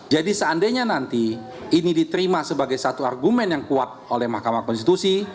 jadi seandainya nanti ini diterima sebagai satu argumen yang kuat oleh mahkamah konstitusi